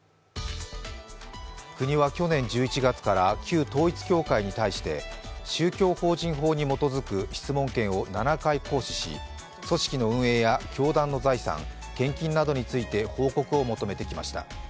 国は去年１１月から旧統一教会に対して宗教法人法に基づく質問権を７回行使し組織の運営や教団の財産、献金などについて報告を求めてきました。